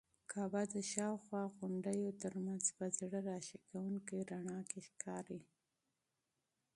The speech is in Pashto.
کعبه د شاوخوا غونډیو تر منځ په زړه راښکونکي رڼا کې ښکاري.